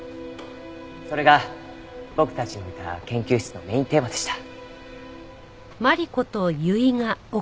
それが僕たちのいた研究室のメインテーマでした。